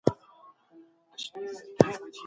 مسواک وهونکي ته به ډېرې نیکۍ ورکړل شي.